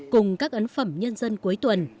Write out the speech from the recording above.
cùng các ấn phẩm nhân dân cuối tuần